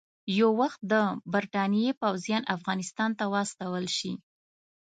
یو وخت د برټانیې پوځیان افغانستان ته واستول شي.